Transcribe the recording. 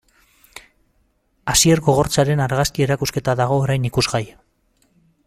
Asier Gogortzaren argazki erakusketa dago orain ikusgai.